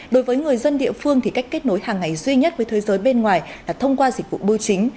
đối với người dân địa phương thì cách kết nối hàng ngày duy nhất với thế giới bên ngoài là thông qua dịch vụ bưu chính